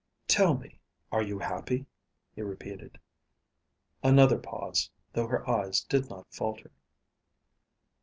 "Tell me, are you happy?" he repeated. Another pause, though her eyes did not falter.